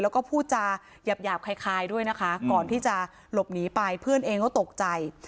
แล้วก็พูดจาหยาบคล้ายด้วยนะคะก่อนที่จะหลบหนีไปเพื่อนเองก็ตกใจ